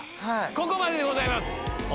ここまででございます。